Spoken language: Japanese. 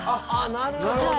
なるほど。